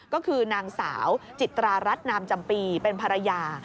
ก็คือนางสาวจิตรารัฐนามจำปีเป็นภรรยา